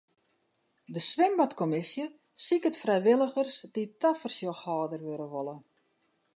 De swimbadkommisje siket frijwilligers dy't tafersjochhâlder wurde wolle.